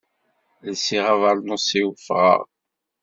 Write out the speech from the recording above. Lsiɣ abernus-iw, ffɣeɣ.